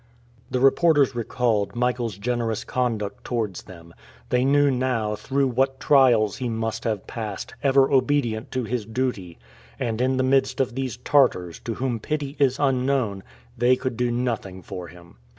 The reporters recalled Michael's generous conduct towards them; they knew now through what trials he must have passed, ever obedient to his duty; and in the midst of these Tartars, to whom pity is unknown, they could do nothing for him.